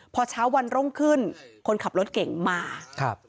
พอเช้าวันรุ่งขึ้นคนขับรถเก่งมาครับ